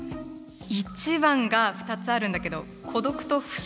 一番が２つあるんだけど「孤独」と「不詳」。